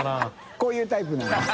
こういうタイプなのよ。